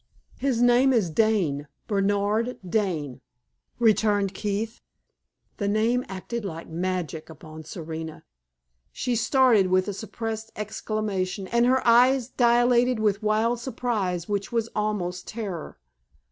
"His name is Dane Bernard Dane," returned Keith. The name acted like magic upon Serena. She started with a suppressed exclamation, and her eyes dilated with wild surprise which was almost terror.